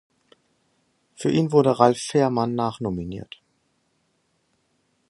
Für ihn wurde Ralf Fährmann nachnominiert.